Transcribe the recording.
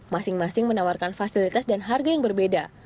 masing masing menawarkan fasilitas dan harga yang berbeda